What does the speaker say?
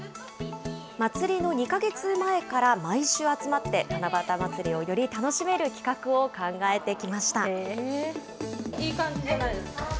祭りの２か月前から毎週集まって、七夕まつりをより楽しめる企画を考えてきました。